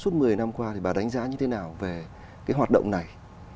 suốt một mươi năm qua thì bà đánh giá như thế nào về cái hoạt động này